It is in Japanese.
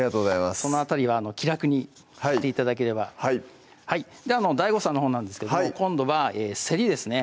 その辺りは気楽に切って頂ければはいＤＡＩＧＯさんのほうなんですけども今度はせりですね